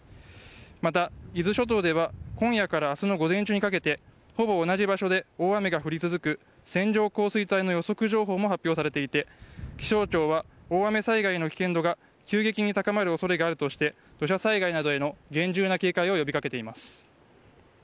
また、伊豆諸島では今夜から明日の午前中にかけてほぼ同じ場所で大雨が降り続く線状降水帯の予測情報も発表されていて気象庁は大雨災害の危険度が急激に高まる恐れがあるとして土砂災害などへの厳重な警戒を呼びかけています。